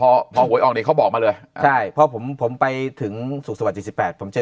ได้ออกออกเลยเขาบอกมาเลยพอผมผมไปถึงสุสูรสุสบัติ๔๘ผมเจอ